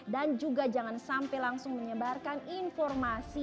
dan juga jangan sampai langsung menyebarkan informasi